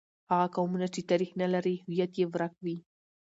هغه قومونه چې تاریخ نه لري، هویت یې ورک وي.